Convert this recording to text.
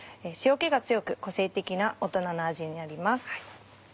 塩気が強く個性的な大人の味になります。